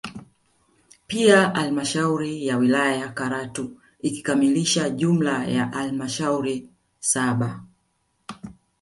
Pia halmashauri ya wilaya ya Karatu ikikamilisha jumla ya halmashauri saba